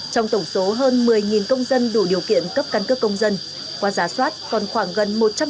trong tổng số hơn một mươi công dân đủ điều kiện cấp căn cấp công dân qua giá soát còn khoảng gần một trăm linh trường hợp